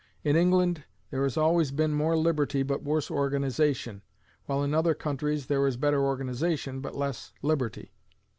In England there has always been more liberty but worse organization, while in other countries there is better organization but less liberty.